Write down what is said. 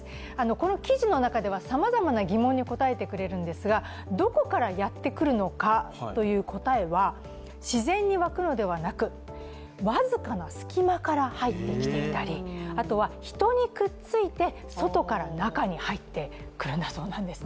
この記事の中ではさまざまな疑問に答えてくれるんですがどこからやってくるのかという答えは自然にわくのではなく、僅かな隙間から入ってきていたりあとは人にくっついて外から中に入ってくるんだそうです。